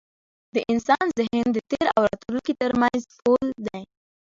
د انسان ذهن د تېر او راتلونکي تر منځ پُل دی.